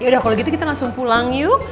udah kalau gitu kita langsung pulang yuk